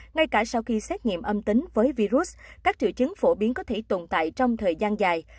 ngay cả sau khi xét nghiệm âm tính với virus các triệu chứng phổ biến có thể tồn tại trong thời gian dài